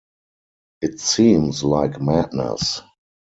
It seems like madness!